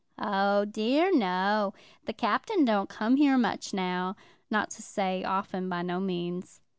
Oh dear no. The Captain don't come here much now; not to say often, by no means."